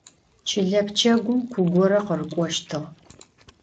Çıle pçegum ku gore khırık'oştığ.